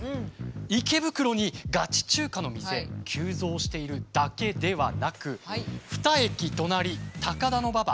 池袋にガチ中華の店急増しているだけではなく２駅隣高田馬場